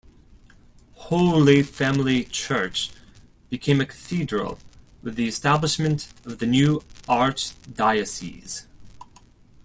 Holy Family church became a cathedral with the establishment of the new archdiocese.